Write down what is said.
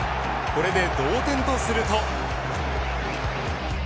これで同点とすると。